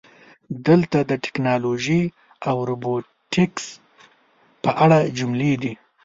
دلته د "ټکنالوژي او روبوټیکس" په اړه جملې دي: